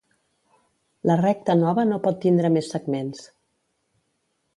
La recta nova no pot tindre més segments.